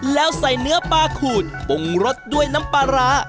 แล้วใส่เนื้อปลาขูดปรุงรสด้วยน้ำปลาร้า